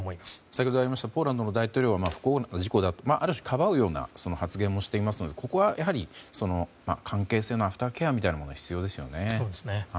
先ほどありましたポーランドの大統領は不幸な事故だとある種、かばうような発言をしていますのでここはやはり、関係性のアフターケアみたいなものが必要ですね。